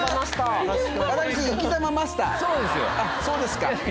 そうですよ。